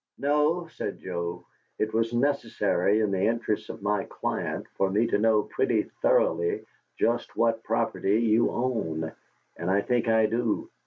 "No," said Joe. "It was necessary in the interests of my client for me to know pretty thoroughly just what property you own, and I think I do.